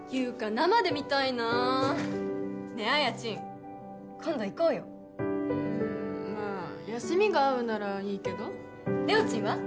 生で見たいなぁねぇ文ちん今度行こうようんまぁ休みが合うならいいけどれおちんは？